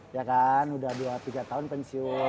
ya kan udah dua tiga tahun pensiun